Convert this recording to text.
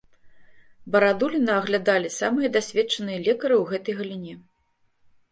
Барадуліна аглядалі самыя дасведчаныя лекары ў гэтай галіне.